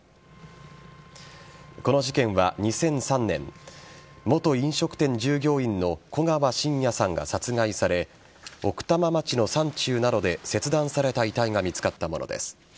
この事件は２００３年元飲食店従業員の古川信也さんが殺害され奥多摩町の山中などで切断された遺体が見つかったものです。